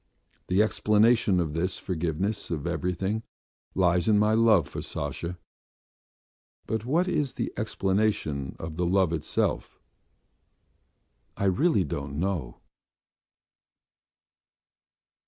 The explanation of this forgiveness of everything lies in my love for Sasha, but what is the explanation of the love itself, I really don't know.